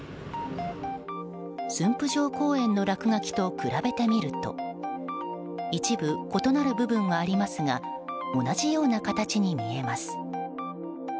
駿府城公園の落書きと比べてみると一部、異なる部分はありますが同じような形に見えます。